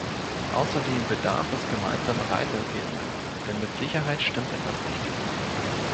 Außerdem bedarf es gemeinsamer Reiseempfehlungen, denn mit Sicherheit stimmt etwas nicht.